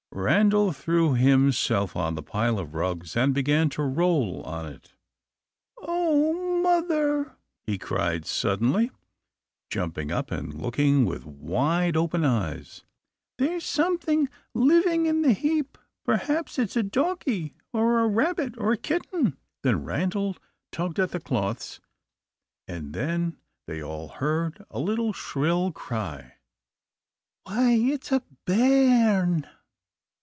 Randal threw himself on the pile of rugs and began to roll on it. "Oh, mother," he cried suddenly, jumping up and looking with wide open eyes, "there 's something living in the heap! Perhaps it's a doggie, or a rabbit, or a kitten." [Illustration: Page 248] Then Randal tugged at the cloths, and then they all heard a little shrill cry. "Why, it's a bairn!"